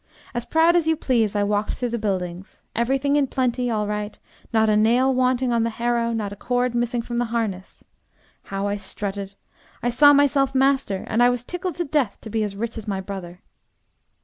As proud as you please, I walked through the buildings. Everything in plenty, all right, not a nail wanting on the harrow, nor a cord missing from the harness. How I strutted! I saw myself master, and I was tickled to death to be as rich as my brother.